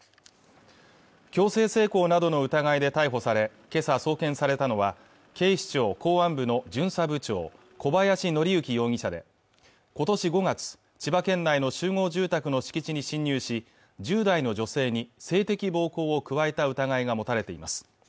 強制性交などの疑いで逮捕されけさ送検されたのは警視庁公安部の巡査部長小林徳之容疑者でことし５月千葉県内の集合住宅の敷地に侵入し１０代の女性に性的暴行を加えた疑いが持たれています